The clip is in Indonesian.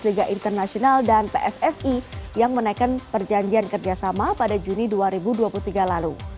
pemusatan latihan ini merupakan hasil kolaborasi antara bundesliga internasional dan pssi yang menaikkan perjanjian kerjasama pada juni dua ribu dua puluh tiga lalu